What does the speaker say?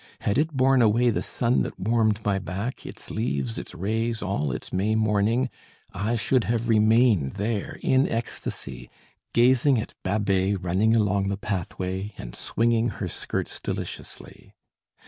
Had it borne away the sun that warmed my back, its leaves, its rays, all its May morning, I should have remained there, in ecstasy, gazing at Babet, running along the pathway, and swinging her skirts deliciously.